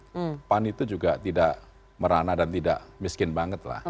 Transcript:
pan itu juga tidak merana dan tidak miskin banget lah